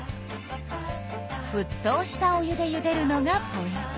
ふっとうしたお湯でゆでるのがポイント。